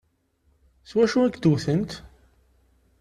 S wacu i k-d-wtent?